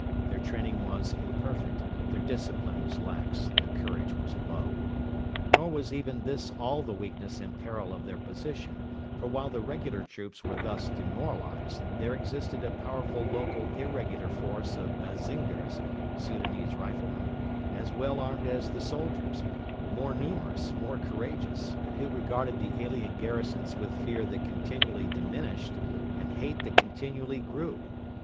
Their training was imperfect; their discipline was lax; their courage was low. Nor was even this all the weakness and peril of their position; for while the regular troops were thus demoralised, there existed a powerful local irregular force of Bazingers (Soudanese riflemen), as well armed as the soldiers, more numerous, more courageous, and who regarded the alien garrisons with fear that continually diminished and hate that continually grew.